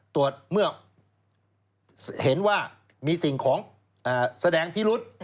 ตรวจเมื่อเห็นว่ามีสิ่งของแสดงพิรุษ